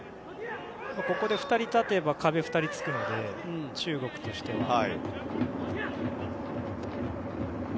ここで２人立てば壁が２人つくので中国としては。